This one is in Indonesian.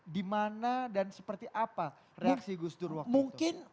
dimana dan seperti apa reaksi gus dur waktu itu